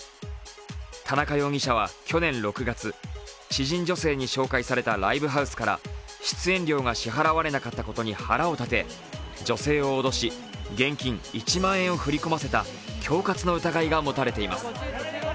田中容疑者は去年６月知人女性に紹介されたライブハウスから出演料が支払われなかったことに腹を立て現金１万円を振り込ませた恐喝の疑いがもたれています。